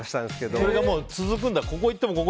それが続くんだ。